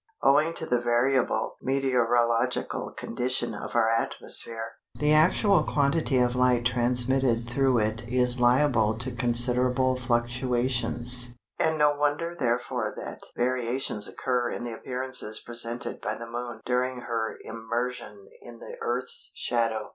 Owing to the variable meteorological condition of our atmosphere, the actual quantity of light transmitted through it is liable to considerable fluctuations, and no wonder therefore that variations occur in the appearances presented by the Moon during her immersion in the Earth's shadow.